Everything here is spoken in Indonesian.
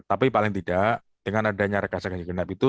tapi paling tidak dengan adanya rekan rekan ganjil gendap itu